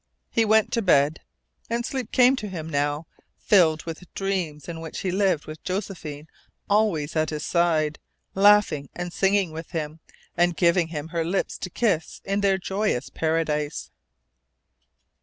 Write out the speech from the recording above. He went to bed. And sleep came to him now, filled with dreams in which he lived with Josephine always at his side, laughing and singing with him, and giving him her lips to kiss in their joyous paradise.